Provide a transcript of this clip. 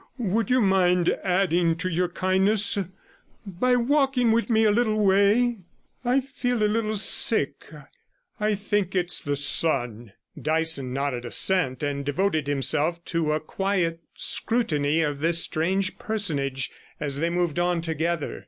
Would you mind adding to your kindness by walking with me a little way? I feel a little sick; I think it's the sun.' Dyson nodded assent, and devoted himself to a quiet scrutiny of this strange personage as they moved on together.